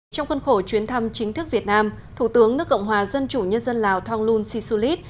trong khuôn khổ chuyến thăm chính thức việt nam thủ tướng nước cộng hòa dân chủ nhân dân lào thonglun sisulit